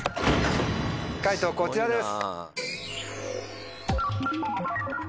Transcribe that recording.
解答こちらです。